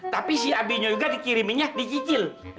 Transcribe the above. tapi si abinya juga dikiriminnya dicicil